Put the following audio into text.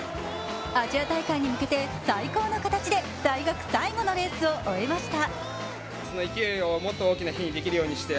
アジア大会に向けて最高の形で大学最後のレースを終えました。